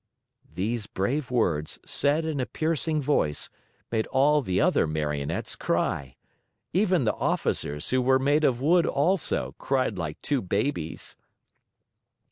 These brave words, said in a piercing voice, made all the other Marionettes cry. Even the officers, who were made of wood also, cried like two babies.